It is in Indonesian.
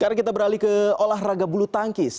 sekarang kita beralih ke olahraga bulu tangkis